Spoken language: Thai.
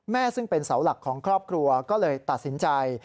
ซึ่งเป็นเสาหลักของครอบครัวก็เลยตัดสินใจ